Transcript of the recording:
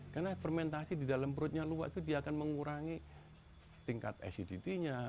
karena fermentasi di dalam perutnya luwak itu dia akan mengurangi tingkat acidity nya